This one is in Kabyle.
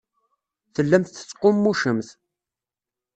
Tellamt tettqummucemt.